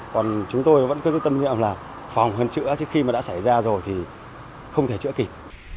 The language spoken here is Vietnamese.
còn chúng tôi vẫn cứ tâm nhận là phòng hơn chữa chứ khi mà đã xảy ra rồi thì không thể chữa kịp